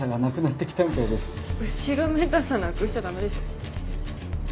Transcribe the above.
後ろめたさなくしちゃ駄目でしょ。